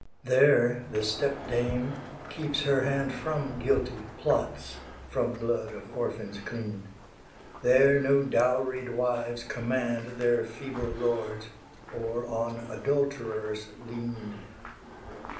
There the step dame keeps her hand From guilty plots, from blood of orphans clean; There no dowried wives command Their feeble lords, or on adulterers lean.